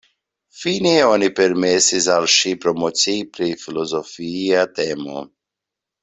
Fine oni permesis al ŝi promocii pri filozofia temo.